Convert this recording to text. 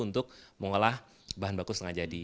untuk mengolah bahan baku setengah jadi